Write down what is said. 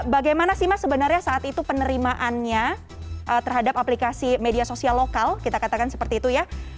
bagaimana sih mas sebenarnya saat itu penerimaannya terhadap aplikasi media sosial lokal kita katakan seperti itu ya